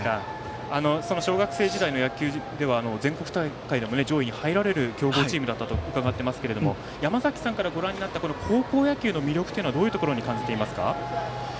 その小学生時代の野球では全国大会でも上位に入られる強豪チームだったと伺っていますが山崎さんからご覧になった高校野球の魅力はどういうところに感じていますか。